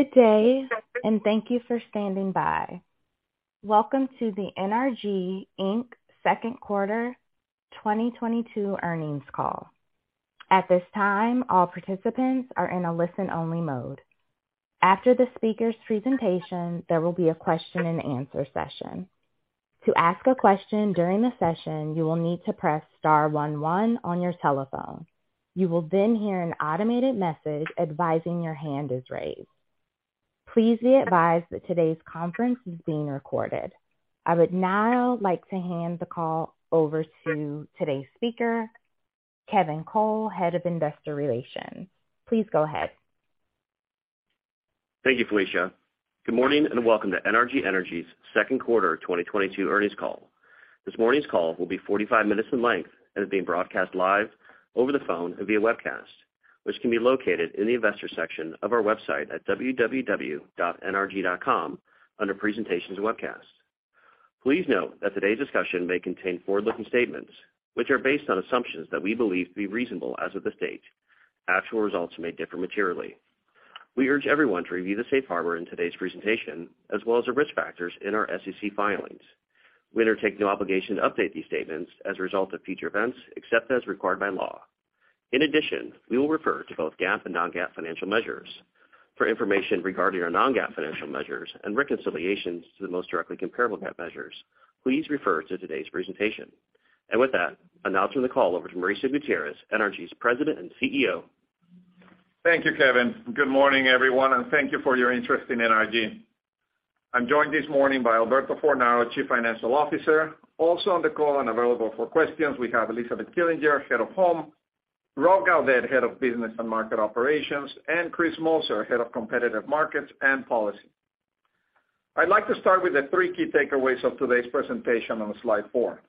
Good day and thank you for standing by. Welcome to the NRG Energy, Inc. Q2 2022 earnings call. At this time, all participants are in a listen-only mode. After the speaker's presentation, there will be a question-and-answer session. To ask a question during the session, you will need to press star one one on your telephone. You will then hear an automated message advising your hand is raised. Please be advised that today's conference is being recorded. I would now like to hand the call over to today's speaker, Kevin Cole, Head of Investor Relations. Please go ahead. Thank you, Felicia. Good morning and welcome to NRG Energy's Q2 2022 earnings call. This morning's call will be 45 minutes in length and is being broadcast live over the phone and via webcast, which can be located in the Investors section of our website at www.nrg.com under Presentations and Webcasts. Please note that today's discussion may contain forward-looking statements, which are based on assumptions that we believe to be reasonable as of this date. Actual results may differ materially. We urge everyone to review the safe harbor in today's presentation, as well as the risk factors in our SEC filings. We undertake no obligation to update these statements as a result of future events, except as required by law. In addition, we will refer to both GAAP and non-GAAP financial measures. For information regarding our non-GAAP financial measures and reconciliations to the most directly comparable GAAP measures, please refer to today's presentation. With that, I'll now turn the call over to Mauricio Gutierrez, NRG's President and CEO. Thank you, Kevin. Good morning, everyone, and thank you for your interest in NRG. I'm joined this morning by Alberto Fornaro, Chief Financial Officer. Also, on the call and available for questions, we have Elizabeth Killinger, Head of Home, Rob Gaudet, Head of Business and Market Operations, and Chris Moser, Head of Competitive Markets and Policy. I'd like to start with the 3 key takeaways of today's presentation on slide 4.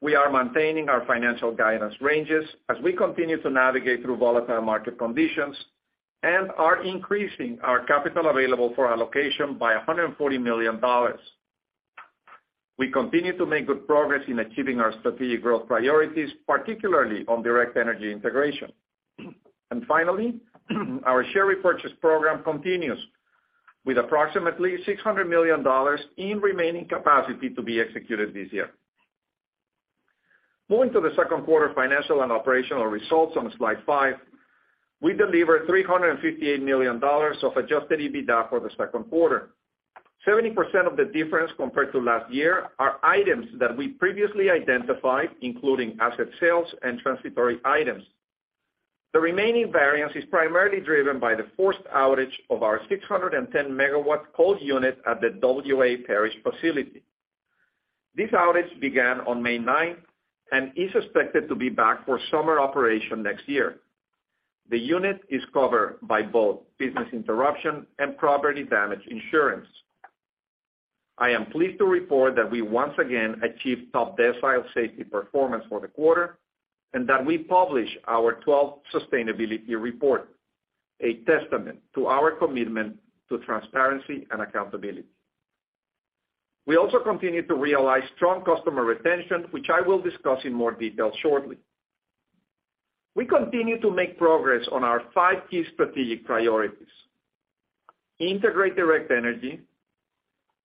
We are maintaining our financial guidance ranges as we continue to navigate through volatile market conditions and are increasing our capital available for allocation by $140 million. We continue to make good progress in achieving our strategic growth priorities, particularly on Direct Energy integration. Finally, our share repurchase program continues with approximately $600 million in remaining capacity to be executed this year. Moving to the Q2 financial and operational results on slide five. We delivered $358 million of adjusted EBITDA for the Q2. 70% of the difference compared to last year are items that we previously identified, including asset sales and transitory items. The remaining variance is primarily driven by the forced outage of our 610-MW coal unit at the W.A. Parish facility. This outage began on May ninth and is expected to be back for summer operation next year. The unit is covered by both business interruption and property damage insurance. I am pleased to report that we once again achieved top decile safety performance for the quarter and that we published our 12th sustainability report, a testament to our commitment to transparency and accountability. We also continue to realize strong customer retention, which I will discuss in more detail shortly. We continue to make progress on our five key strategic priorities, integrate Direct Energy,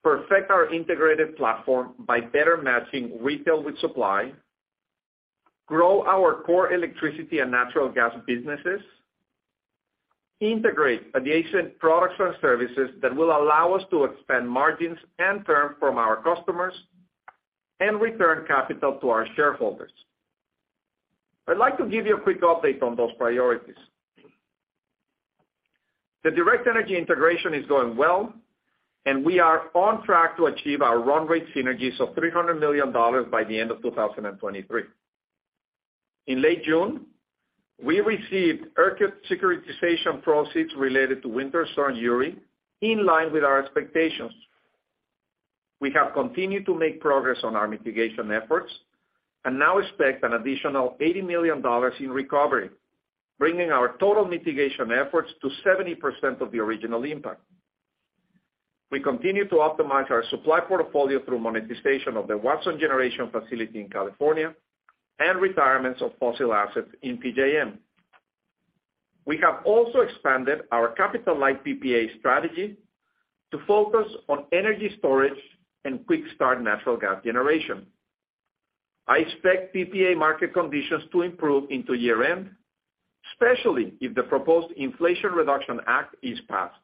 perfect our integrated platform by better matching retail with supply, grow our core electricity and natural gas businesses, integrate adjacent products or services that will allow us to expand margins and term from our customers, and return capital to our shareholders. I'd like to give you a quick update on those priorities. The Direct Energy integration is going well, and we are on track to achieve our run rate synergies of $300 million by the end of 2023. In late June, we received ERCOT securitization proceeds related to Winter Storm Uri in line with our expectations. We have continued to make progress on our mitigation efforts and now expect an additional $80 million in recovery, bringing our total mitigation efforts to 70% of the original impact. We continue to optimize our supply portfolio through monetization of the Watson generation facility in California and retirements of fossil assets in PJM. We have also expanded our capital-light PPA strategy to focus on energy storage and quick start natural gas generation. I expect PPA market conditions to improve into year-end, especially if the proposed Inflation Reduction Act is passed.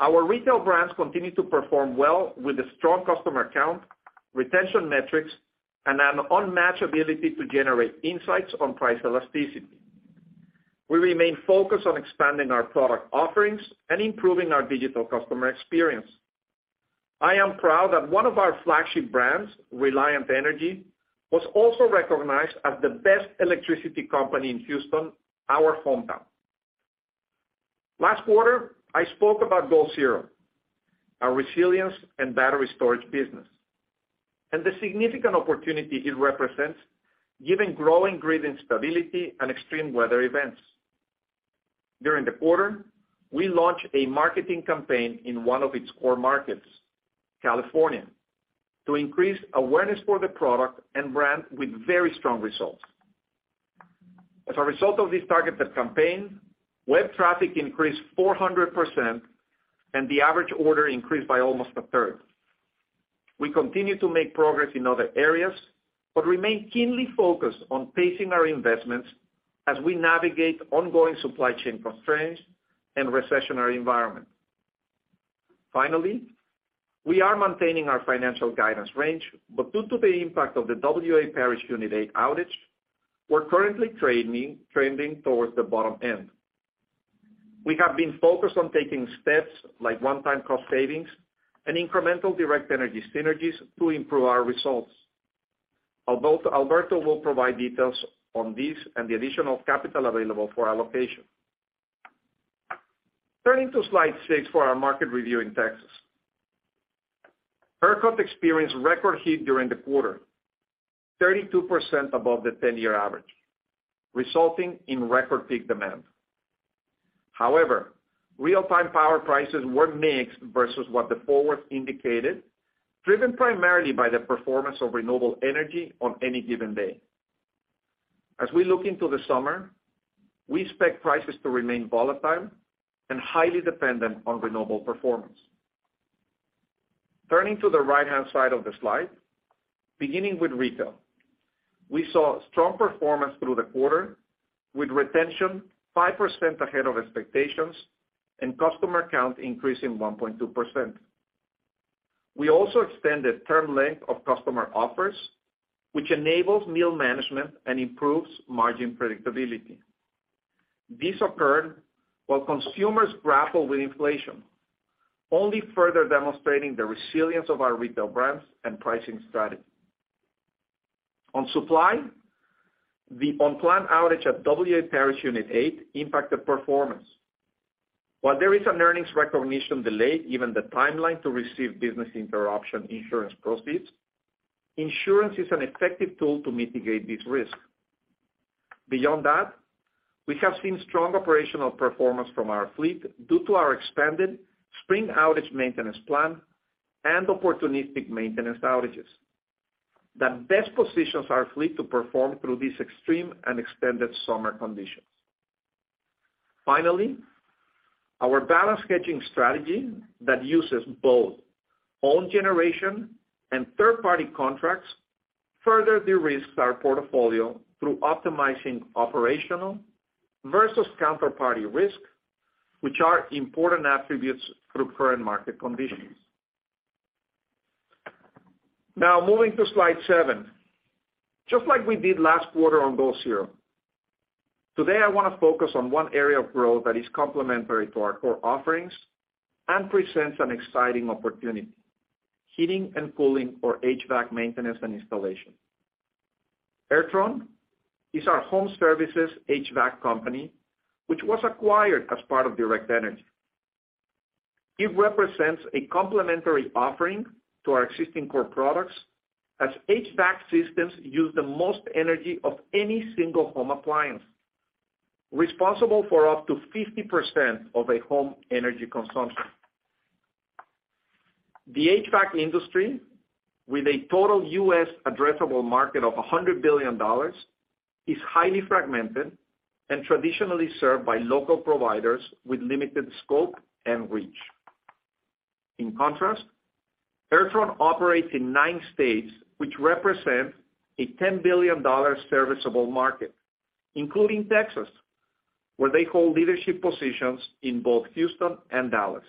Our retail brands continue to perform well with a strong customer count, retention metrics, and an unmatched ability to generate insights on price elasticity. We remain focused on expanding our product offerings and improving our digital customer experience. I am proud that one of our flagship brands, Reliant Energy, was also recognized as the best electricity company in Houston, our hometown. Last quarter, I spoke about Goal Zero, our resilience and battery storage business, and the significant opportunity it represents given growing grid instability and extreme weather events. During the quarter, we launched a marketing campaign in one of its core markets, California, to increase awareness for the product and brand with very strong results. As a result of these targeted campaigns, web traffic increased 400% and the average order increased by almost a third. We continue to make progress in other areas but remain keenly focused on pacing our investments as we navigate ongoing supply chain constraints and recessionary environment. Finally, we are maintaining our financial guidance range, but due to the impact of the Parish Unit Eight outage, we're currently trending towards the bottom end. We have been focused on taking steps like one-time cost savings and incremental Direct Energy synergies to improve our results. Although Alberto will provide details on this and the additional capital available for allocation. Turning to slide six for our market review in Texas. ERCOT experienced record heat during the quarter, 32% above the 10-year average, resulting in record peak demand. However, real-time power prices were mixed versus what the forward indicated, driven primarily by the performance of renewable energy on any given day. As we look into the summer, we expect prices to remain volatile and highly dependent on renewable performance. Turning to the right-hand side of the slide. Beginning with retail, we saw strong performance through the quarter, with retention 5% ahead of expectations and customer count increasing 1.2%. We also extended term length of customer offers, which enables hedge management and improves margin predictability. This occurred while consumers grappled with inflation, only further demonstrating the resilience of our retail brands and pricing strategy. On supply, the unplanned outage at W.A. Parish Unit Eight impacted performance. While there is an earnings recognition delay, given the timeline to receive business interruption insurance proceeds, insurance is an effective tool to mitigate this risk. Beyond that, we have seen strong operational performance from our fleet due to our expanded spring outage maintenance plan and opportunistic maintenance outages. That best positions our fleet to perform through these extreme and extended summer conditions. Finally, our balanced hedging strategy that uses both own generation and third-party contracts further de-risks our portfolio through optimizing operational versus counterparty risk, which are important attributes through current market conditions. Now, moving to slide seven. Just like we did last quarter on Goal Zero, today I wanna focus on one area of growth that is complementary to our core offerings and presents an exciting opportunity, heating and cooling or HVAC maintenance and installation. Airtron is our home services HVAC company, which was acquired as part of Direct Energy. It represents a complementary offering to our existing core products as HVAC systems use the most energy of any single home appliance, responsible for up to 50% of a home energy consumption. The HVAC industry, with a total US addressable market of $100 billion, is highly fragmented and traditionally served by local providers with limited scope and reach. In contrast, Airtron operates in nine states, which represent a $10 billion serviceable market, including Texas, where they hold leadership positions in both Houston and Dallas,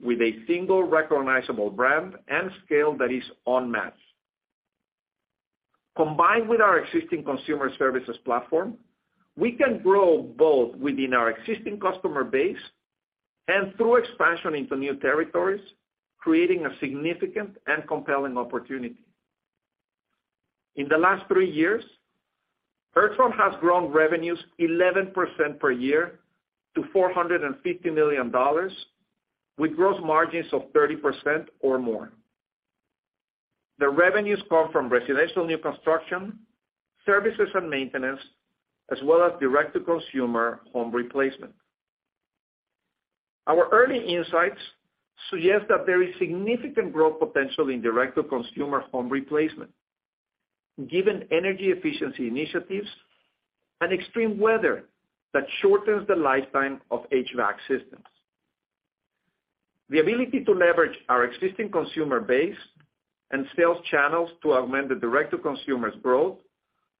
with a single recognizable brand and scale that is unmatched. Combined with our existing consumer services platform, we can grow both within our existing customer base and through expansion into new territories, creating a significant and compelling opportunity. In the last three years, Airtron has grown revenues 11% per year to $450 million with gross margins of 30% or more. The revenues come from residential new construction, services and maintenance, as well as direct-to-consumer home replacement. Our early insights suggest that there is significant growth potential in direct-to-consumer home replacement, given energy efficiency initiatives and extreme weather that shortens the lifetime of HVAC systems. The ability to leverage our existing consumer base and sales channels to augment the direct-to-consumer's growth,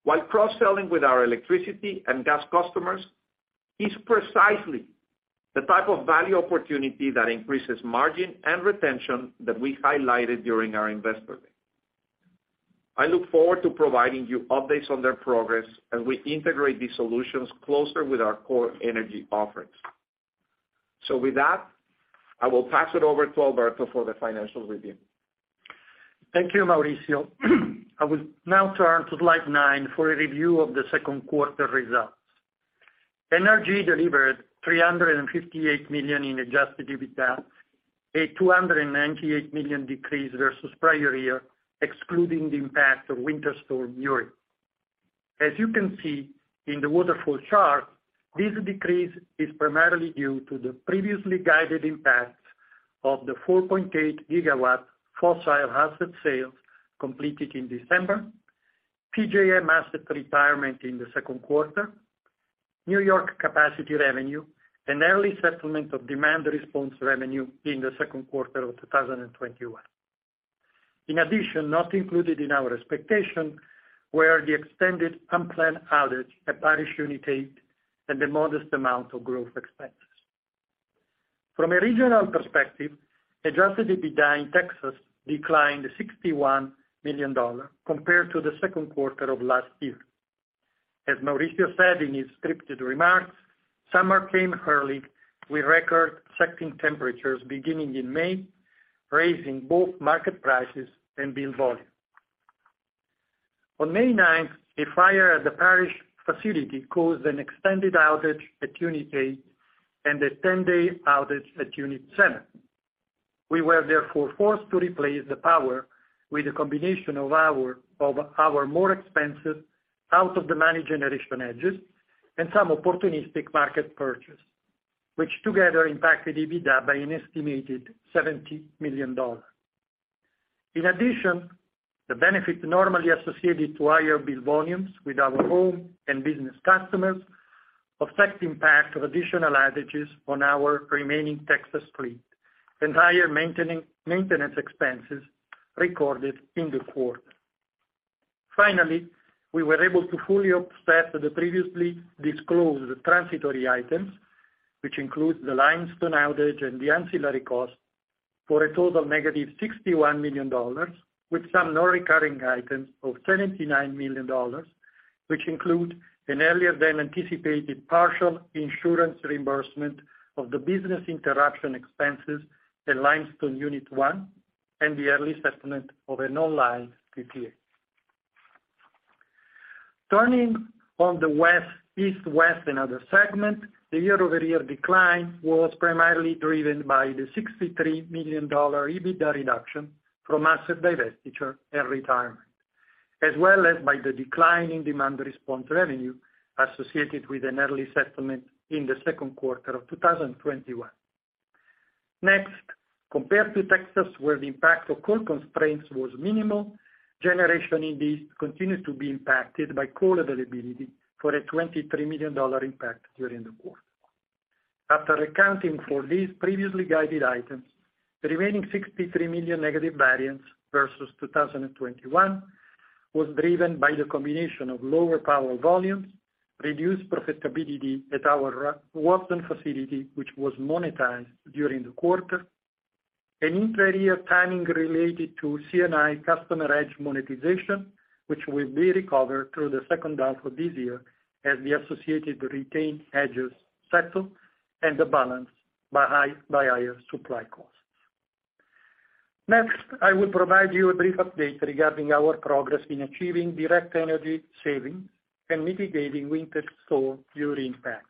while cross-selling with our electricity and gas customers, is precisely the type of value opportunity that increases margin and retention that we highlighted during our investor day. I look forward to providing you updates on their progress as we integrate these solutions closer with our core energy offerings. With that, I will pass it over to Alberto for the financial review. Thank you, Mauricio. I will now turn to slide 9 for a review of the Q2 results. NRG delivered $358 million in adjusted EBITDA, a $298 million decrease versus prior year, excluding the impact of Winter Storm Uri. As you can see in the waterfall chart, this decrease is primarily due to the previously guided impacts of the 4.8 gigawatt fossil asset sales completed in December, PJM asset retirement in the Q2, New York capacity revenue, and early settlement of demand response revenue in the Q2 of 2021. In addition, not included in our expectation were the extended unplanned outage at Parish Unit Eight and the modest amount of growth expenses. From a regional perspective, adjusted EBITDA in Texas declined $61 million compared to the Q2 of last year. As Mauricio said in his scripted remarks, summer came early with record-setting temperatures beginning in May, raising both market prices and bill volume. On May ninth, a fire at the Parish facility caused an extended outage at Unit Eight and a 10-day outage at Unit Seven. We were therefore forced to replace the power with a combination of our more expensive out-of-the-money generation hedges and some opportunistic market purchase, which together impacted EBITDA by an estimated $70 million. In addition, the benefit normally associated with higher bill volumes with our home and business customers, of such impact of additional outages on our remaining Texas fleet and higher maintenance expenses recorded in the quarter. Finally, we were able to fully offset the previously disclosed transitory items, which includes the limestone outage and the ancillary costs, for a total negative $61 million with some non-recurring items of $79 million, which include an earlier than anticipated partial insurance reimbursement of the business interruption expenses at Limestone Unit One and the early settlement of an online PPA. Turning to the East, West and Other segment, the year-over-year decline was primarily driven by the $63 million EBITDA reduction from asset divestiture and retirement, as well as by the decline in demand response revenue associated with an early settlement in the Q2 of 2021. Next, compared to Texas, where the impact of coal constraints was minimal, generation in the East continued to be impacted by coal availability for a $23 million impact during the quarter. After accounting for these previously guided items, the remaining $63 million negative variance versus 2021 was driven by the combination of lower power volumes, reduced profitability at our Watson facility, which was monetized during the quarter, an intra-year timing related to C&I customer hedge monetization, which will be recovered through the H2 of this year as the associated retained hedges settle, and the balance by higher supply costs. Next, I will provide you a brief update regarding our progress in achieving Direct Energy savings and mitigating Winter Storm Uri impact.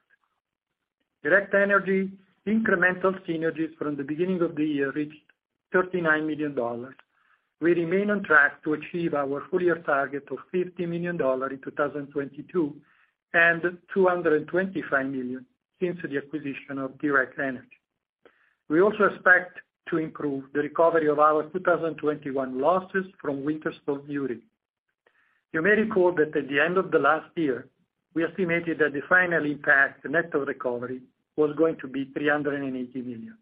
Direct Energy incremental synergies from the beginning of the year reached $39 million. We remain on track to achieve our full-year target of $50 million in 2022 and $225 million since the acquisition of Direct Energy. We also expect to improve the recovery of our 2021 losses from Winter Storm Uri. You may recall that at the end of last year, we estimated that the final impact net of recovery was going to be $380 million.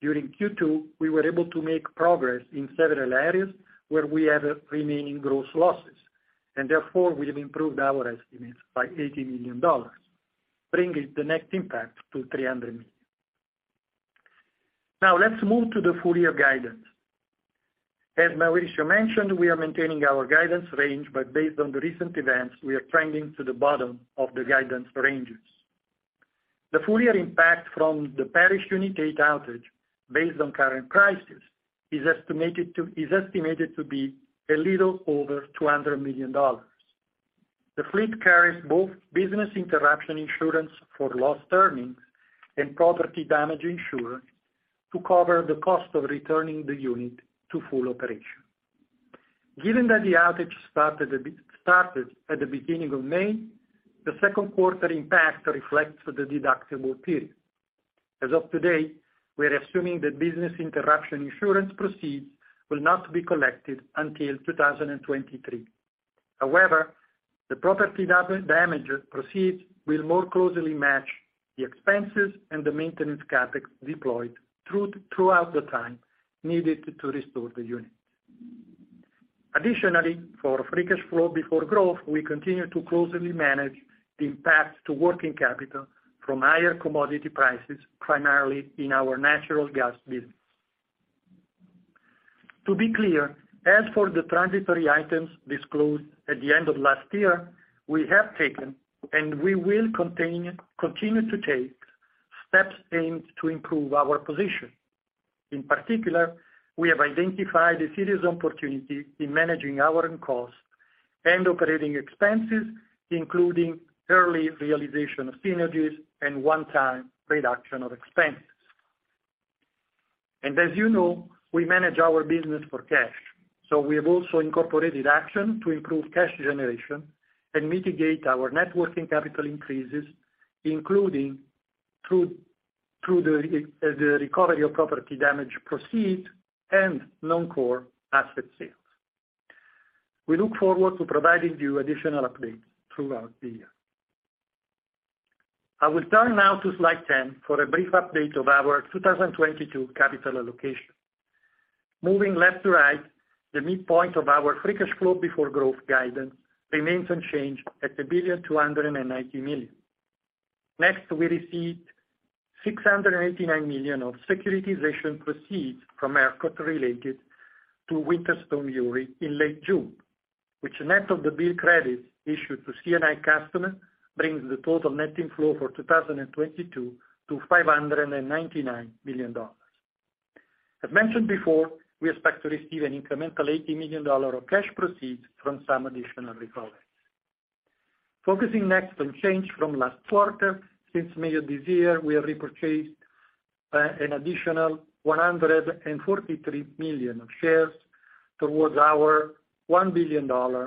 During Q2, we were able to make progress in several areas where we have remaining gross losses, and therefore we have improved our estimates by $80 million, bringing the net impact to $300 million. Now let's move to the full year guidance. As Mauricio mentioned, we are maintaining our guidance range, but based on the recent events, we are trending to the bottom of the guidance ranges. The full year impact from the Parish Unit 8 outage based on current prices is estimated to be a little over $200 million. The fleet carries both business interruption insurance for lost earnings and property damage insurance to cover the cost of returning the unit to full operation. Given that the outage started at the beginning of May, the Q2 impact reflects the deductible period. As of today, we are assuming the business interruption insurance proceeds will not be collected until 2023. However, the property damage proceeds will more closely match the expenses and the maintenance CapEx deployed throughout the time needed to restore the unit. Additionally, for free cash flow before growth, we continue to closely manage the impact to working capital from higher commodity prices, primarily in our natural gas business. To be clear, as for the transitory items disclosed at the end of last year, we have taken and we will continue to take steps aimed to improve our position. In particular, we have identified a serious opportunity in managing our own costs and operating expenses, including early realization of synergies and one-time reduction of expenses. As you know, we manage our business for cash, so we have also incorporated action to improve cash generation and mitigate our net working capital increases, including through the recovery of property damage proceeds and non-core asset sales. We look forward to providing you additional updates throughout the year. I will turn now to slide 10 for a brief update of our 2022 capital allocation. Moving left to right, the midpoint of our Free Cash Flow Before Growth guidance remains unchanged at $1.29 billion. Next, we received $689 million of securitization proceeds from ERCOT related to Winter Storm Uri in late June, which net of the bill credits issued to C&I customer brings the total net inflow for 2022 to $599 million. As mentioned before, we expect to receive an incremental $80 million of cash proceeds from some additional recoveries. Focusing next on change from last quarter, since May of this year, we have repurchased an additional $143 million of shares towards our $1 billion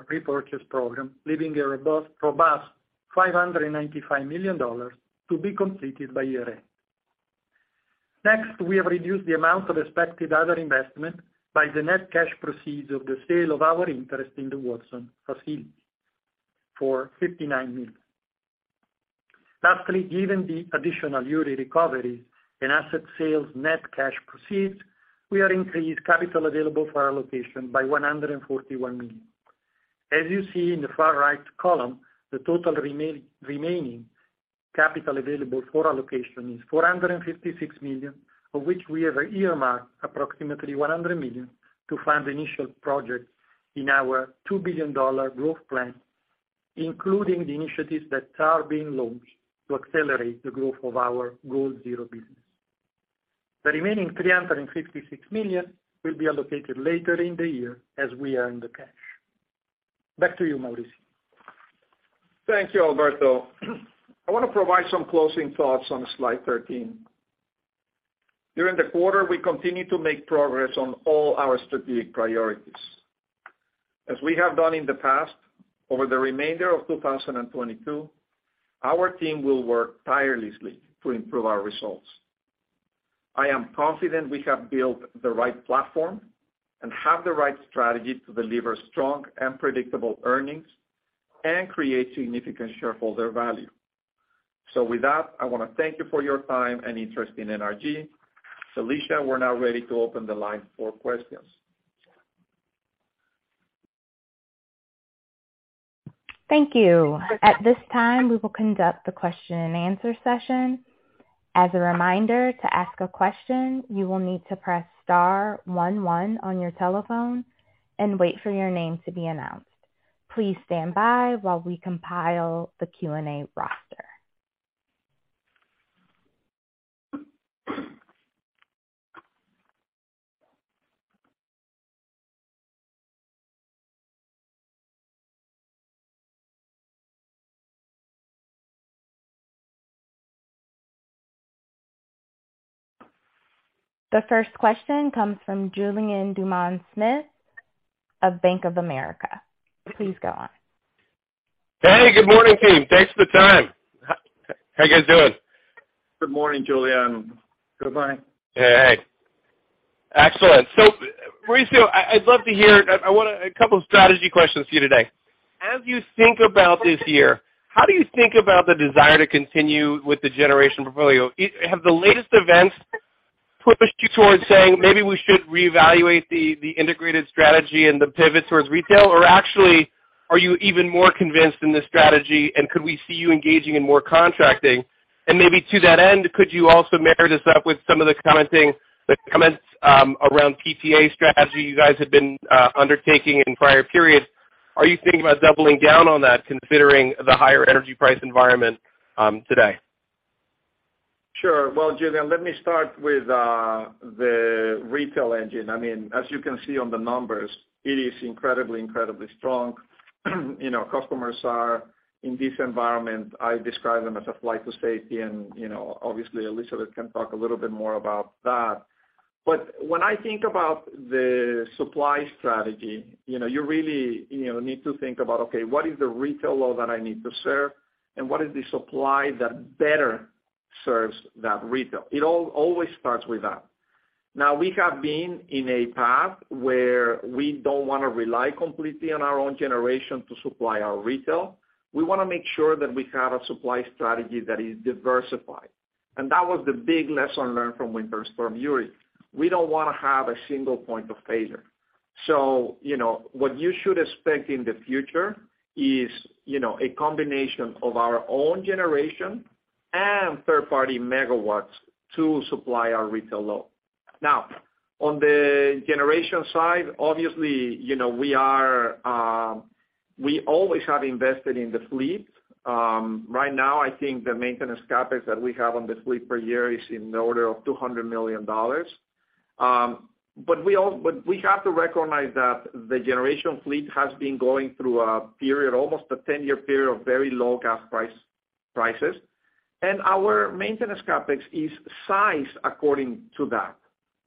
repurchase program, leaving a robust $595 million to be completed by year-end. Next, we have reduced the amount of expected other investment by the net cash proceeds of the sale of our interest in the Watson facility for $59 million. Lastly, given the additional Uri recovery and asset sales net cash proceeds, we have increased capital available for allocation by $141 million. As you see in the far right column, the total remaining capital available for allocation is $456 million, of which we have earmarked approximately $100 million to fund the initial projects in our $2 billion growth plan, including the initiatives that are being launched to accelerate the growth of our Goal Zero business. The remaining $356 million will be allocated later in the year as we earn the cash. Back to you, Mauricio. Thank you, Alberto. I want to provide some closing thoughts on slide 13. During the quarter, we continued to make progress on all our strategic priorities. As we have done in the past, over the remainder of 2022, our team will work tirelessly to improve our results. I am confident we have built the right platform and have the right strategy to deliver strong and predictable earnings and create significant shareholder value. With that, I want to thank you for your time and interest in NRG. Felicia, we're now ready to open the line for questions. Thank you. At this time, we will conduct the question-and-answer session. As a reminder, to ask a question, you will need to press star one one on your telephone and wait for your name to be announced. Please stand by while we compile the Q&A roster. The first question comes from Julien Dumoulin-Smith of Bank of America. Please go on. Hey, good morning, team. Thanks for the time. How you guys doing? Good morning, Julien. Good morning. Yeah. Hey. Excellent. Mauricio, I'd love to hear. I want a couple of strategy questions for you today. As you think about this year, how do you think about the desire to continue with the generation portfolio? Have the latest events pushed you towards saying, maybe we should reevaluate the integrated strategy and the pivot towards retail? Actually, are you even more convinced in this strategy, and could we see you engaging in more contracting? Maybe to that end, could you also marry this up with some of the comments around PPA strategy you guys have been undertaking in prior periods? Are you thinking about doubling down on that considering the higher energy price environment today? Sure. Well, Julien, let me start with the retail engine. I mean, as you can see on the numbers, it is incredibly strong. You know, customers are in this environment. I describe them as a flight to safety and, you know, obviously, Elizabeth can talk a little bit more about that. But when I think about the supply strategy, you know, you really, you know, need to think about, okay, what is the retail load that I need to serve, and what is the supply that better serves that retail? It always starts with that. Now, we have been in a path where we don't want to rely completely on our own generation to supply our retail. We want to make sure that we have a supply strategy that is diversified. That was the big lesson learned from Winter Storm Uri. We don't want to have a single point of failure. You know, what you should expect in the future is, you know, a combination of our own generation and third-party megawatts to supply our retail load. Now, on the generation side, obviously, you know, we are, we always have invested in the fleet. Right now, I think the maintenance CapEx that we have on the fleet per year is in the order of $200 million. But we have to recognize that the generation fleet has been going through a period, almost a ten-year period of very low gas prices. Our maintenance CapEx is sized according to that,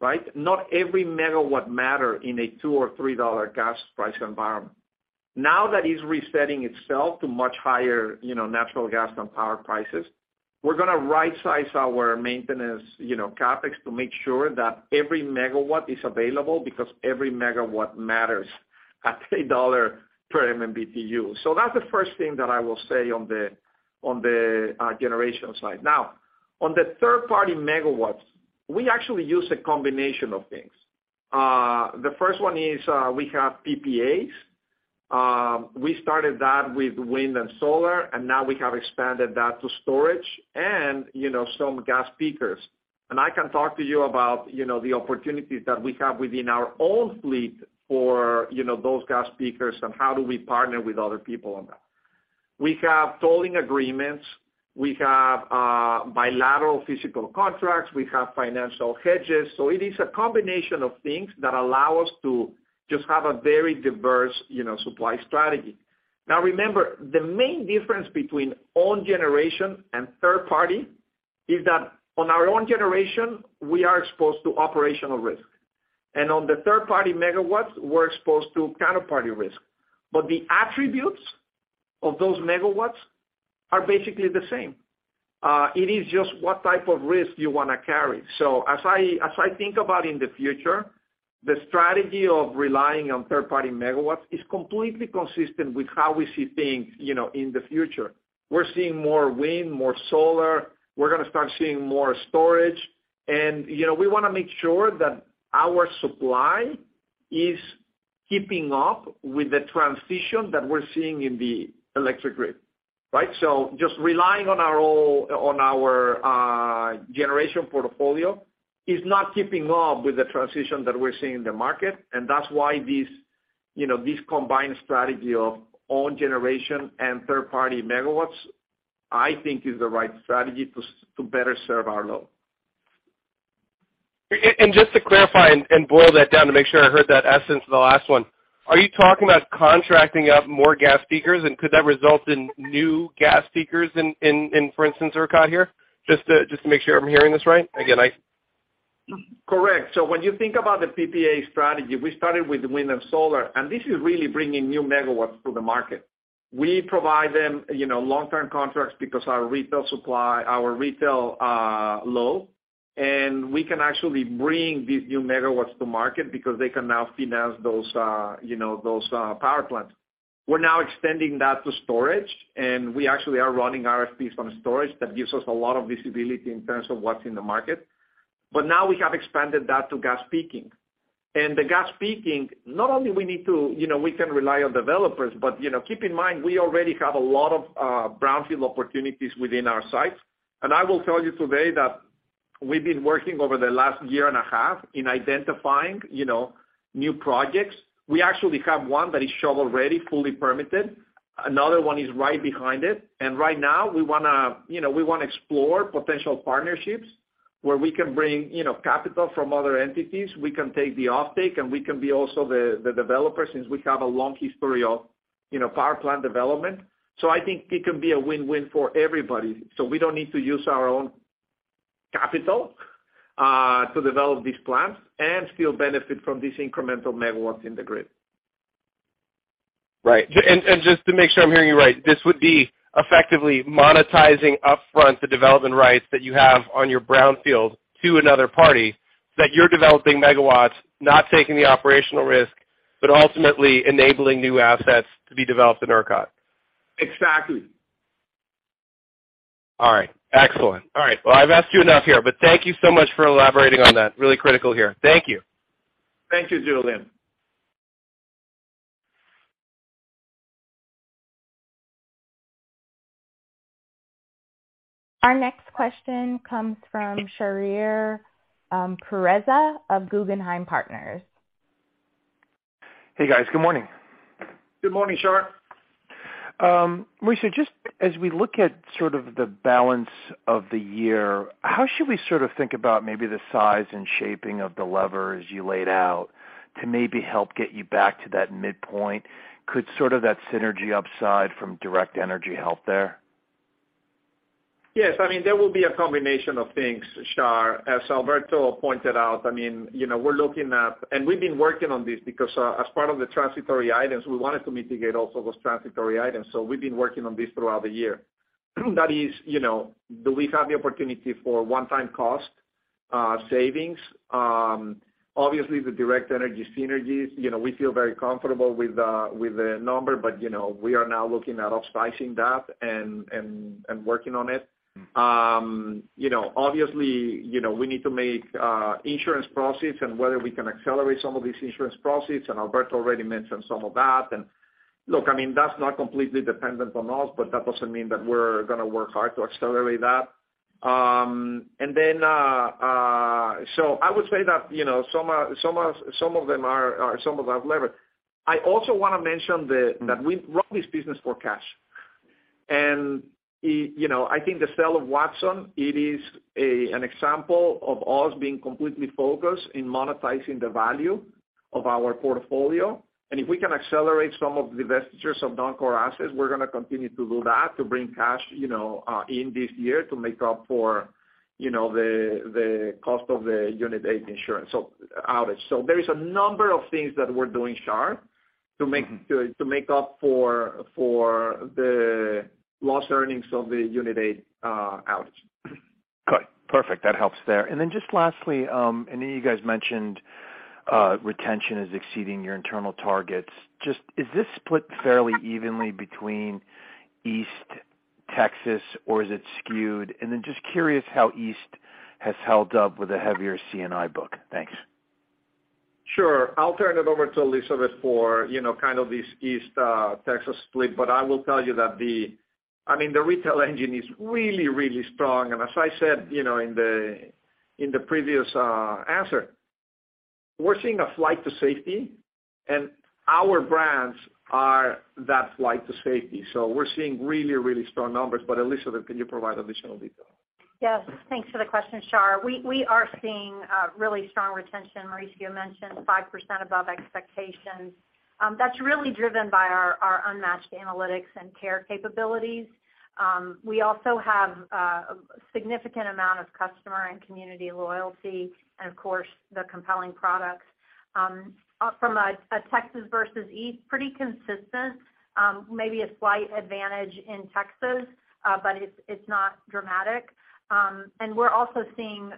right? Not every megawatt matter in a 2 or 3 dollar gas price environment. Now that it's resetting itself to much higher, you know, natural gas and power prices, we're gonna right-size our maintenance, you know, CapEx to make sure that every megawatt is available because every megawatt matters at $1 per MMBtu. That's the first thing that I will say on the generation side. Now, on the third-party megawatts, we actually use a combination of things. The first one is, we have PPAs. We started that with wind and solar, and now we have expanded that to storage and, you know, some gas peakers. And I can talk to you about, you know, the opportunities that we have within our own fleet for, you know, those gas peakers and how do we partner with other people on that. We have tolling agreements. We have bilateral physical contracts. We have financial hedges. It is a combination of things that allow us to just have a very diverse, you know, supply strategy. Now, remember, the main difference between own generation and third-party is that on our own generation, we are exposed to operational risk. On the third-party megawatts, we're exposed to counterparty risk. The attributes of those megawatts are basically the same. It is just what type of risk you wanna carry. As I think about in the future, the strategy of relying on third-party megawatts is completely consistent with how we see things, you know, in the future. We're seeing more wind, more solar. We're gonna start seeing more storage. You know, we wanna make sure that our supply is keeping up with the transition that we're seeing in the electric grid, right? Just relying on our own generation portfolio is not keeping up with the transition that we're seeing in the market. That's why this, you know, this combined strategy of own generation and third-party megawatts, I think is the right strategy to better serve our load. Just to clarify and boil that down to make sure I heard that essence of the last one, are you talking about contracting out more gas peakers? Could that result in new gas peakers in, for instance, ERCOT here? Just to make sure I'm hearing this right. Correct. When you think about the PPA strategy, we started with wind and solar, and this is really bringing new megawatts to the market. We provide them, you know, long-term contracts because our retail supply, our retail load, and we can actually bring these new megawatts to market because they can now finance those, you know, those, power plants. We're now extending that to storage, and we actually are running RFPs on storage. That gives us a lot of visibility in terms of what's in the market. Now we have expanded that to gas peaking. The gas peaking, not only we need to, you know, we can rely on developers, but, you know, keep in mind, we already have a lot of brownfield opportunities within our sites. I will tell you today that we've been working over the last year and a half in identifying, you know, new projects. We actually have one that is shovel-ready, fully permitted. Another one is right behind it. Right now we wanna, you know, explore potential partnerships where we can bring, you know, capital from other entities. We can take the offtake, and we can be also the developer since we have a long history of, you know, power plant development. I think it can be a win-win for everybody. We don't need to use our own capital to develop these plants and still benefit from these incremental megawatts in the grid. Right. Just to make sure I'm hearing you right, this would be effectively monetizing upfront the development rights that you have on your brownfield to another party, that you're developing megawatts, not taking the operational risk, but ultimately enabling new assets to be developed in ERCOT. Exactly. All right. Excellent. All right. Well, I've asked you enough here, but thank you so much for elaborating on that. Really critical here. Thank you. Thank you, Julien. Our next question comes from Shar Pourreza of Guggenheim Partners. Hey, guys. Good morning. Good morning, Shar. Mauricio, just as we look at sort of the balance of the year, how should we sort of think about maybe the size and shaping of the levers you laid out to maybe help get you back to that midpoint? Could sort of that synergy upside from Direct Energy help there? Yes. I mean, there will be a combination of things, Shar. As Alberto pointed out, I mean, you know, we're looking at and we've been working on this because as part of the transitory items, we wanted to mitigate also those transitory items. We've been working on this throughout the year. That is, you know, do we have the opportunity for one-time cost savings? Obviously the Direct Energy synergies, you know, we feel very comfortable with the number, but you know, we are now looking at upsizing that and working on it. You know, obviously, you know, we need to make insurance proceeds and whether we can accelerate some of these insurance proceeds, and Alberto already mentioned some of that. Look, I mean, that's not completely dependent on us, but that doesn't mean that we're gonna work hard to accelerate that. I would say that, you know, some of them are some of our leverage. I also wanna mention the that we run this business for cash. You know, I think the sale of Watson is an example of us being completely focused in monetizing the value of our portfolio. If we can accelerate some of the divestitures of non-core assets, we're gonna continue to do that to bring cash, you know, in this year to make up for, you know, the cost of the Unit A insurance outage. There is a number of things that we're doing, Shar, to make up for the lost earnings of the Unit 8 outage. Got it. Perfect. That helps there. Just lastly, I know you guys mentioned retention is exceeding your internal targets. Is this split fairly evenly between East Texas or is it skewed? Just curious how East has held up with a heavier C&I book. Thanks. Sure. I'll turn it over to Elizabeth for, you know, kind of this East Texas split. I will tell you that I mean, the retail engine is really, really strong. As I said, you know, in the previous answer, we're seeing a flight to safety, and our brands are that flight to safety. We're seeing really, really strong numbers. Elizabeth, can you provide additional detail? Yes. Thanks for the question, Shar. We are seeing really strong retention. Mauricio Gutierrez mentioned 5% above expectations. That's really driven by our unmatched analytics and care capabilities. We also have a significant amount of customer and community loyalty and, of course, the compelling products. From a Texas versus East, pretty consistent, maybe a slight advantage in Texas, but it's not dramatic. We're also seeing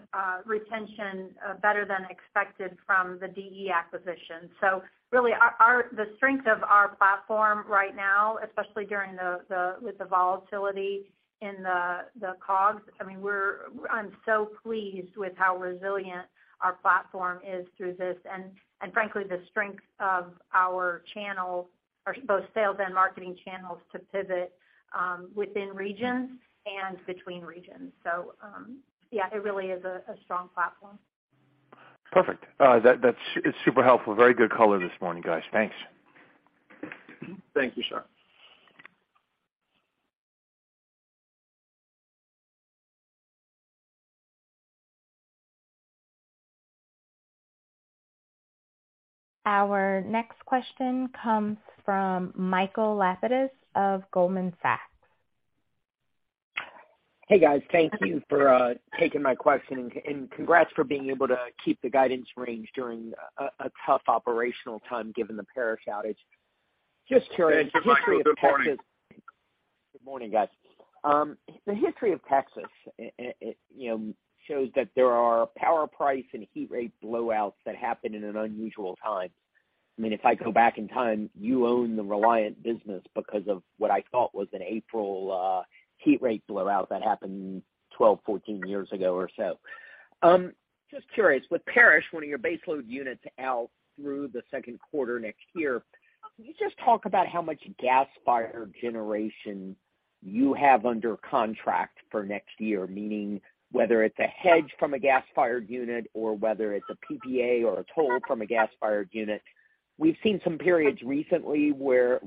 retention better than expected from the DE acquisition. So really the strength of our platform right now, especially with the volatility in the COGS. I mean, I'm so pleased with how resilient our platform is through this. Frankly, the strength of our channels, both sales and marketing channels, to pivot within regions and between regions. Yeah, it really is a strong platform. Perfect. That's super helpful. Very good color this morning, guys. Thanks. Thank you, Shar. Our next question comes fro m Michael Lapides of Goldman Sachs. Hey, guys. Thank you for taking my question. Congrats for being able to keep the guidance range during a tough operational time given the Parish outage. Just curious. Thank you, Michael. Good morning. Good morning, guys. The history of Texas, you know, shows that there are power price and heat rate blowouts that happen in an unusual time. I mean, if I go back in time, you own the Reliant business because of what I thought was an April heat rate blowout that happened 12, 14 years ago or so. Just curious, with Parish, one of your base load units out through the Q2 next year, can you just talk about how much gas-fired generation you have under contract for next year? Meaning whether it's a hedge from a gas-fired unit or whether it's a PPA or a toll from a gas-fired unit. We've seen some periods recently where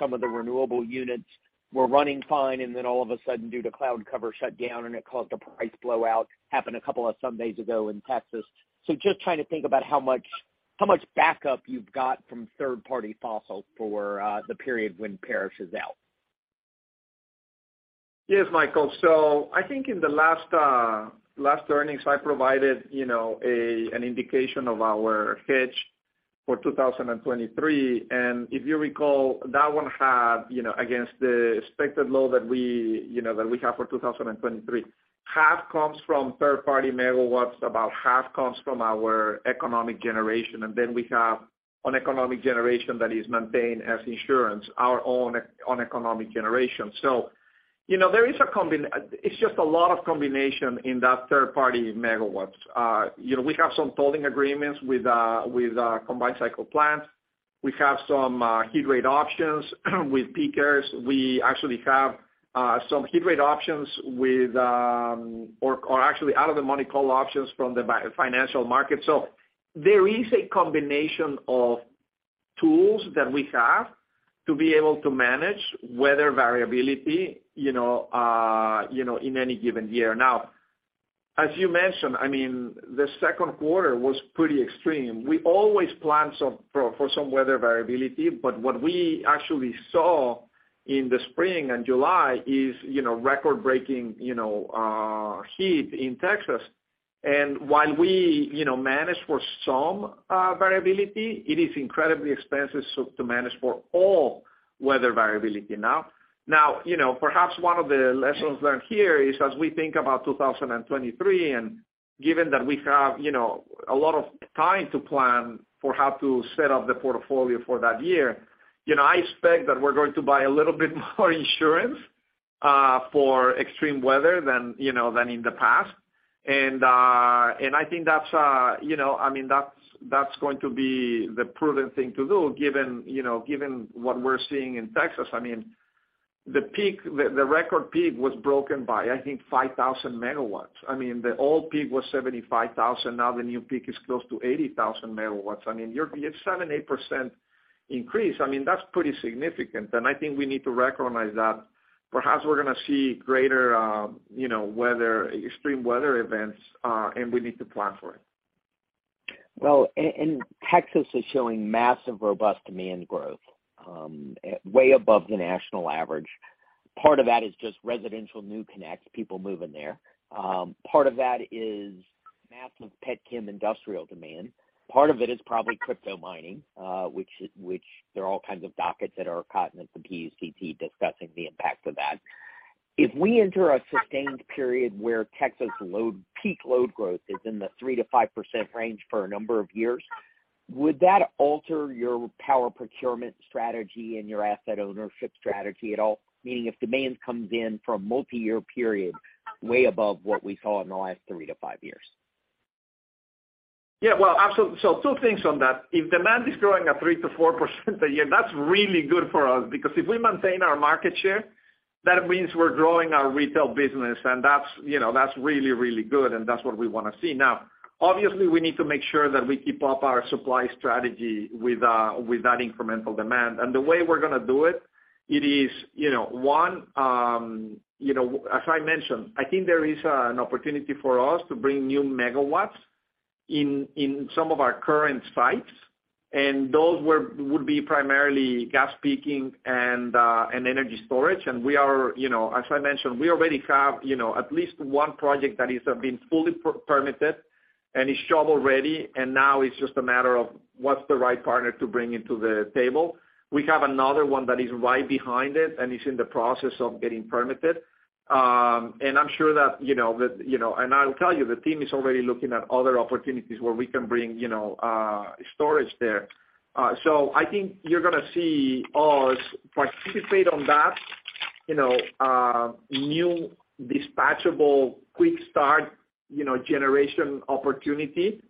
some of the renewable units were running fine and then all of a sudden, due to cloud cover, shut down and it caused a price blowout, happened a couple of Sundays ago in Texas. Just trying to think about how much backup you've got from third-party fossil for the period when Parish is out. Yes, Michael. I think in the last earnings, you know, an indication of our hedge for 2023. If you recall, that one had, you know, against the expected low that we have for 2023, half comes from third-party megawatts, about half comes from our economic generation. We have an economic generation that is maintained as insurance, our own economic generation. You know, it's just a lot of combination in that third-party megawatts. You know, we have some tolling agreements with combined cycle plants. We have some heat rate options with peakers. We actually have some heat rate options with, or actually out of the money call options from the financial market. There is a combination of tools that we have to be able to manage weather variability, you know, in any given year. Now, as you mentioned, I mean, the Q2 was pretty extreme. We always plan for some weather variability, but what we actually saw in the spring and July is, you know, record-breaking heat in Texas. While we, you know, manage for some variability, it is incredibly expensive to manage for all weather variability now. Now, you know, perhaps one of the lessons learned here is as we think about 2023, and given that we have, you know, a lot of time to plan for how to set up the portfolio for that year, you know, I expect that we're going to buy a little bit more insurance for extreme weather than, you know, than in the past. I think that's, you know, I mean, that's going to be the prudent thing to do given, you know, given what we're seeing in Texas. I mean, the record peak was broken by, I think, 5,000 megawatts. I mean, the old peak was 75,000, now the new peak is close to 80,000 megawatts. I mean, it's 7 to 8% increase. I mean, that's pretty significant, and I think we need to recognize that. Perhaps we're gonna see greater, you know, weather, extreme weather events, and we need to plan for it. Texas is showing massive robust demand growth way above the national average. Part of that is just residential new connects, people moving there. Part of that is massive petrochemical industrial demand. Part of it is probably crypto mining, which there are all kinds of dockets that are going on at the PUCT discussing the impact of that. If we enter a sustained period where Texas peak load growth is in the 3 to 5% range for a number of years, would that alter your power procurement strategy and your asset ownership strategy at all? Meaning if demand comes in for a multiyear period, way above what we saw in the last 3 to 5 years. Yeah. Well, two things on that. If demand is growing at 3 to 4% a year, that's really good for us because if we maintain our market share, that means we're growing our retail business and that's, you know, that's really, really good, and that's what we wanna see. Now, obviously, we need to make sure that we keep up our supply strategy with that incremental demand. The way we're gonna do it is, you know, one, you know, as I mentioned, I think there is an opportunity for us to bring new megawatts in some of our current sites, and those would be primarily gas peaking and energy storage. We are, you know, as I mentioned, we already have, you know, at least one project that has been fully permitted and is shovel ready, and now it's just a matter of what's the right partner to bring to the table. We have another one that is right behind it and is in the process of getting permitted. I'm sure that, you know. I'll tell you, the team is already looking at other opportunities where we can bring, you know, storage there. So I think you're gonna see us participate in that, you know, new dispatchable, quick start, you know, generation opportunity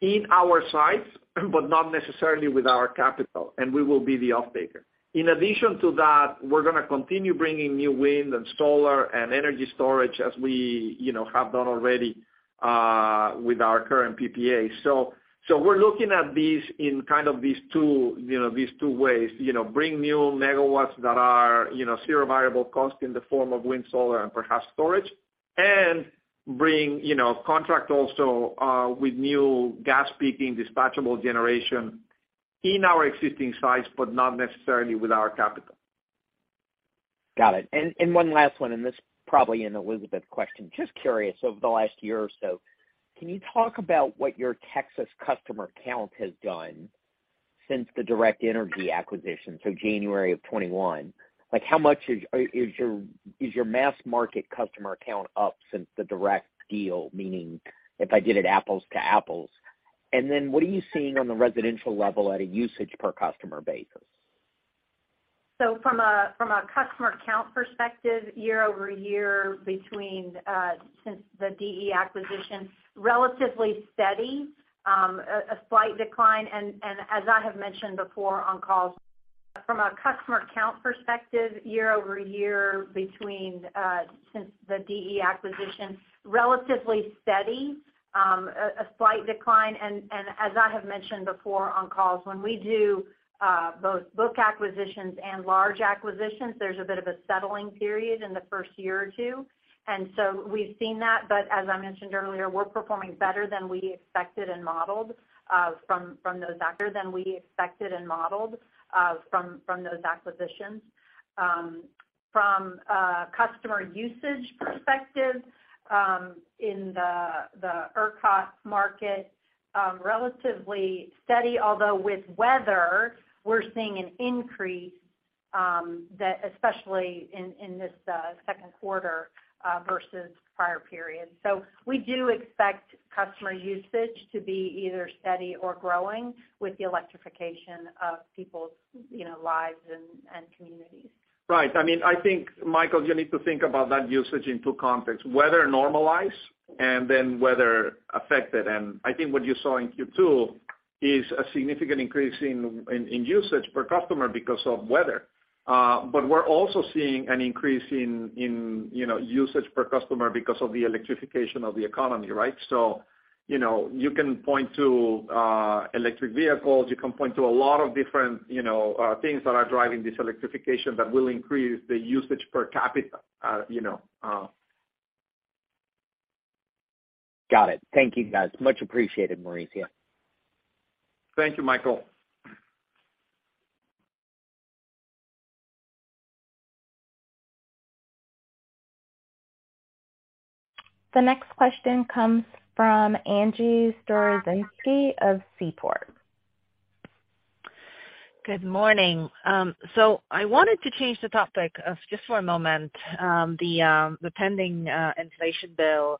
in our sites, but not necessarily with our capital, and we will be the offtaker. In addition to that, we're gonna continue bringing new wind and solar and energy storage as we, you know, have done already, with our current PPA. So we're looking at these in kind of these two ways, you know, bring new megawatts that are, you know, zero variable cost in the form of wind, solar, and perhaps storage, and bring, you know, contract also with new gas peaking dispatchable generation in our existing sites, but not necessarily with our capital. Got it. One last one, and this probably an Elizabeth question. Just curious, over the last year or so, can you talk about what your Texas customer count has done since the Direct Energy acquisition, so January of 2021? Like, how much is your mass market customer count up since the Direct deal? Meaning if I did it apples to apples. Then what are you seeing on the residential level at a usage per customer basis? From a customer count perspective, year-over-year since the DE acquisition, relatively steady, a slight decline. As I have mentioned before on calls, when we do both bolt-on acquisitions and large acquisitions, there's a bit of a settling period in the first year or two. We've seen that, but as I mentioned earlier, we're performing better than we expected and modeled from those acquisitions. From a customer usage perspective, in the ERCOT market, relatively steady, although with weather, we're seeing an increase, that especially in this Q2 versus prior periods. We do expect customer usage to be either steady or growing with the electrification of people's, you know, lives and communities. Right. I mean, Michael, you need to think about that usage in two contexts, weather normalized and then weather affected. I think what you saw in Q2 is a significant increase in usage per customer because of weather. We're also seeing an increase in, you know, usage per customer because of the electrification of the economy, right? You know, you can point to electric vehicles. You can point to a lot of different, you know, things that are driving this electrification that will increase the usage per capita. Got it. Thank you, guys. Much appreciated, Mauricio. Thank you, Michael. The next question comes from Angie Storozynski of Seaport. Good morning. I wanted to change the topic just for a moment. The pending inflation bill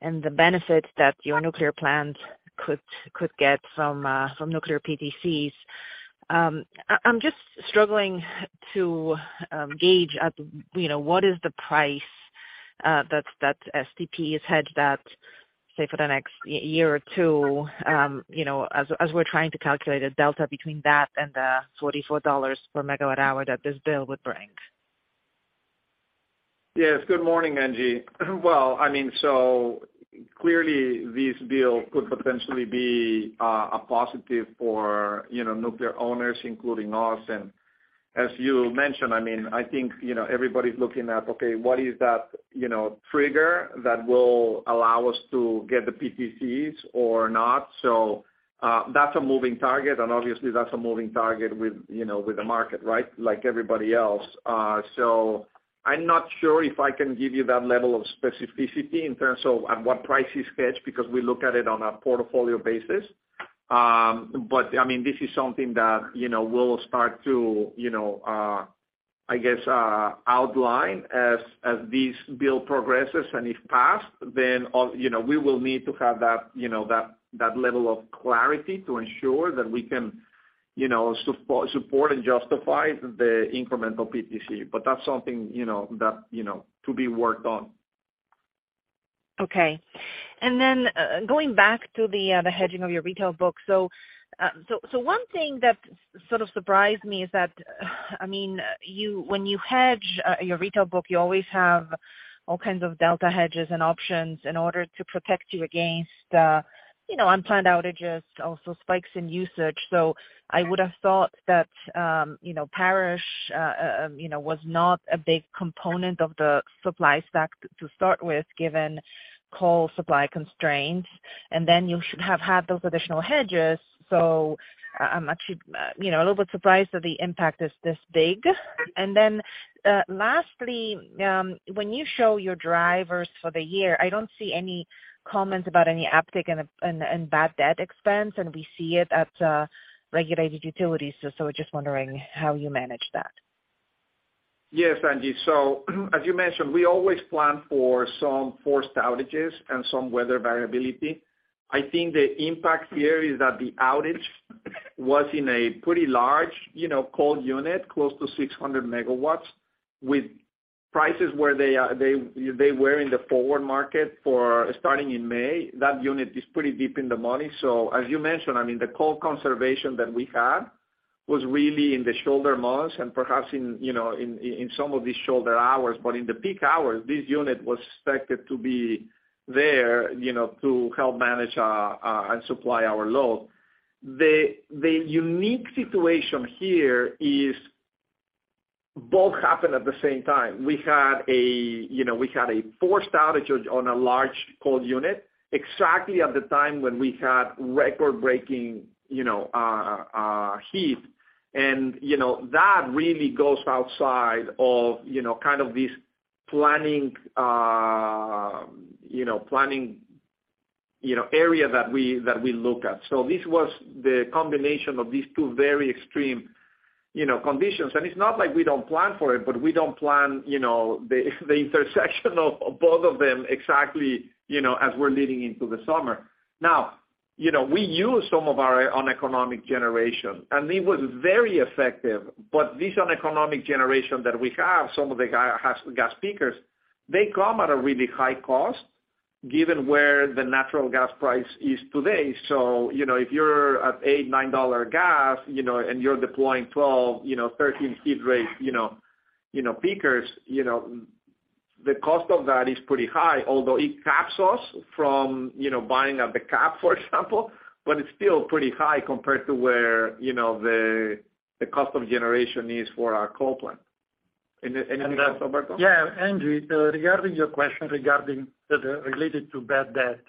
and the benefits that your nuclear plants could get from nuclear PTCs. I'm just struggling to gauge at, you know, what is the price that STP has had, say, for the next year or two, you know, as we're trying to calculate a delta between that and the $44 per megawatt hour that this bill would bring. Yes. Good morning, Angie. Well, I mean, so clearly this bill could potentially be a positive for, you know, nuclear owners, including us. As you mentioned, I mean, I think, you know, everybody's looking at, okay, what is that, you know, trigger that will allow us to get the PTCs or not? That's a moving target, and obviously that's a moving target with, you know, with the market, right? Like everybody else. I'm not sure if I can give you that level of specificity in terms of at what price you hedge, because we look at it on a portfolio basis. I mean, this is something that, you know, we'll start to, you know, I guess, outline as this bill progresses. If passed, you know, we will need to have that, you know, that level of clarity to ensure that we can, you know, support and justify the incremental PTC. But that's something, you know, that, you know, to be worked on. Okay. Going back to the hedging of your retail book. One thing that sort of surprised me is that, I mean, when you hedge your retail book, you always have all kinds of delta hedges and options in order to protect you against you know, unplanned outages, also spikes in usage. I would have thought that you know, Parish was not a big component of the supply stack to start with, given coal supply constraints. You should have had those additional hedges. I'm actually you know, a little bit surprised that the impact is this big. Lastly, when you show your drivers for the year, I don't see any comments about any uptick in bad debt expense, and we see it at regulated utilities, so we're just wondering how you manage that. Yes, Angie. As you mentioned, we always plan for some forced outages and some weather variability. I think the impact here is that the outage was in a pretty large, you know, coal unit, close to 600 megawatts with prices where they are, they were in the forward market for starting in May. That unit is pretty deep in the money. As you mentioned, I mean the coal conservation that we had was really in the shoulder months and perhaps in, you know, in some of these shoulder hours. In the peak hours, this unit was expected to be there, you know, to help manage and supply our load. The unique situation here is both happened at the same time. We had a forced outage on a large coal unit exactly at the time when we had record-breaking heat. You know, that really goes outside of, you know, kind of this planning area that we look at. This was the combination of these two very extreme, you know, conditions. It's not like we don't plan for it, but we don't plan, you know, the intersection of both of them exactly, you know, as we're leading into the summer. Now, you know, we use some of our uneconomic generation, and it was very effective. This uneconomic generation that we have, some of the gas peakers, they come at a really high cost given where the natural gas price is today. You know, if you're at $8 to 9 gas, you know, and you're deploying 12-13 heat rate, you know, peakers, you know, the cost of that is pretty high, although it caps us from, you know, buying at the cap, for example. It's still pretty high compared to where, you know, the cost of generation is for our coal plant. Anything else, Alberto? Yeah, Angie, so regarding your question regarding the related to bad debt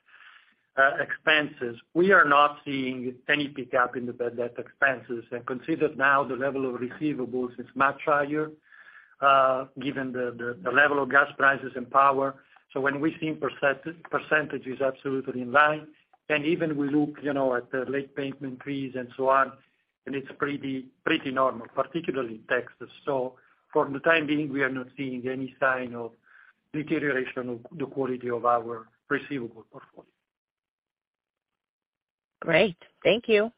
expenses, we are not seeing any pickup in the bad debt expenses. Consider now the level of receivables is much higher, given the level of gas prices and power. When we're seeing percentages absolutely in line, and even we look at the late payment fees and so on, and it's pretty normal, particularly in Texas. For the time being, we are not seeing any sign of deterioration of the quality of our receivable portfolio. Great. Thank you.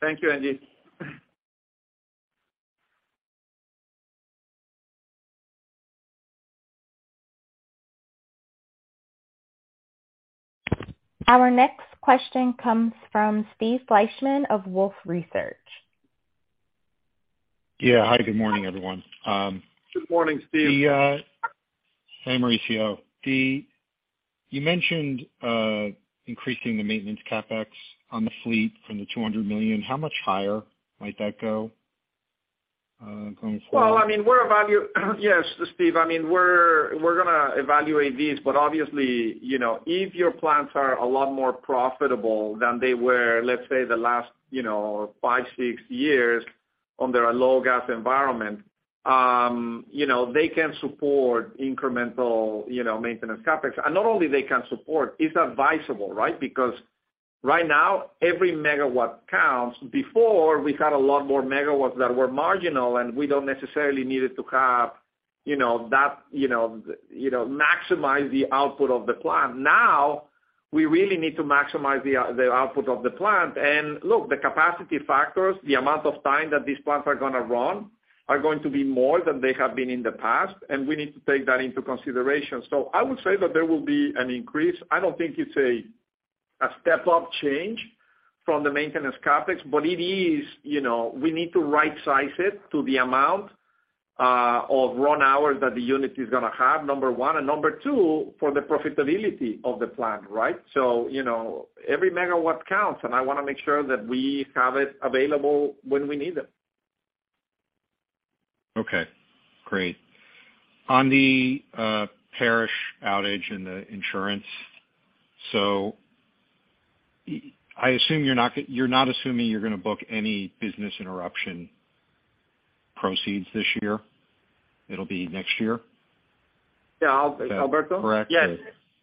Thank you, Angie. Our next question comes from Steve Fleishman of Wolfe Research. Yeah. Hi, good morning, everyone. Good morning, Steve. Hi, Mauricio. You mentioned increasing the maintenance CapEx on the fleet from the $200 million. How much higher might that go going forward? Well, I mean, yes, Steve, I mean, we're gonna evaluate this, but obviously, you know, if your plants are a lot more profitable than they were, let's say the last, you know, 5, 6 years under a low gas environment, you know, they can support incremental, you know, maintenance CapEx. Not only they can support, it's advisable, right? Because right now, every megawatt counts. Before, we had a lot more megawatts that were marginal, and we don't necessarily needed to have, you know, that, maximize the output of the plant. Now, we really need to maximize the output of the plant. Look, the capacity factors, the amount of time that these plants are gonna run are going to be more than they have been in the past, and we need to take that into consideration. I would say that there will be an increase. I don't think it's a step-up change from the maintenance CapEx, but it is, you know, we need to rightsize it to the amount, of run hours that the unit is gonna have, number one. Number two, for the profitability of the plant, right? You know, every megawatt counts, and I wanna make sure that we have it available when we need them. Okay, great. On the Parish outage and the insurance. I assume you're not assuming you're gonna book any business interruption proceeds this year? It'll be next year. Yeah. Alberto? Is that correct?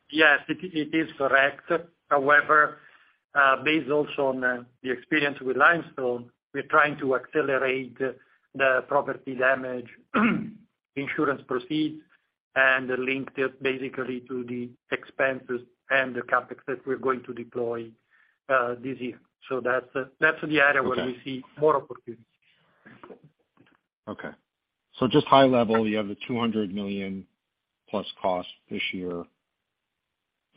Yes, it is correct. However, based also on the experience with Limestone, we're trying to accelerate the property damage insurance proceeds, and link it basically to the expenses and the CapEx that we're going to deploy this year. That's the area where we see more opportunities. Okay. Just high level, you have the $200 million plus costs this year.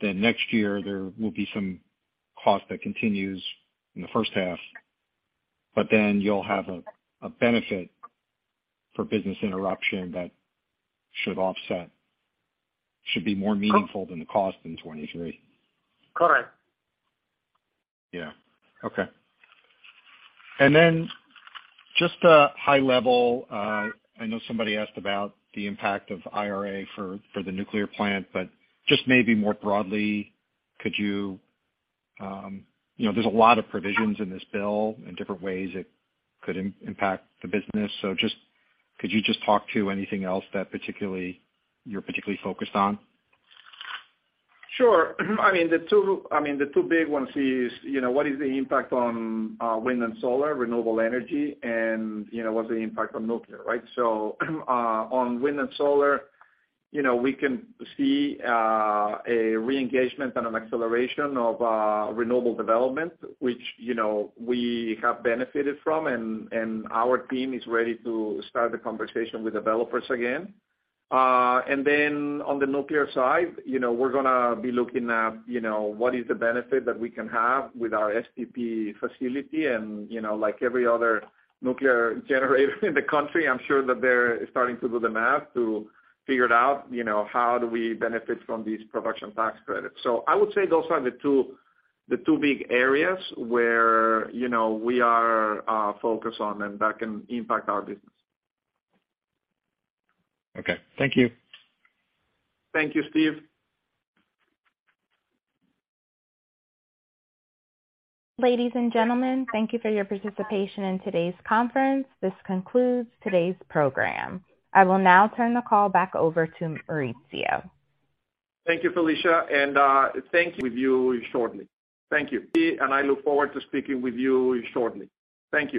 Next year there will be some cost that continues in the H1, but then you'll have a benefit for business interruption that should offset, should be more meaningful than the cost in 2023. Correct. Yeah. Okay. Just high level, I know somebody asked about the impact of IRA for the nuclear plant, but maybe more broadly, could you know, there's a lot of provisions in this bill and different ways it could impact the business. Could you just talk to anything else that particularly you're focused on? Sure. I mean, the two big ones is, you know, what is the impact on wind and solar, renewable energy and, you know, what's the impact on nuclear, right? On wind and solar, you know, we can see a re-engagement and an acceleration of renewable development, which, you know, we have benefited from and our team is ready to start the conversation with developers again. Then on the nuclear side, you know, we're gonna be looking at, you know, what is the benefit that we can have with our STP facility and, you know, like every other nuclear generator in the country, I'm sure that they're starting to do the math to figure it out, you know, how do we benefit from these production tax credits. I would say those are the two big areas where, you know, we are focused on and that can impact our business. Okay. Thank you. Thank you, Steve. Ladies and gentlemen, thank you for your participation in today's conference. This concludes today's program. I will now turn the call back over to Mauricio Gutierrez. Thank you, Felicia, and thank you. With you shortly. Thank you. I look forward to speaking with you shortly. Thank you.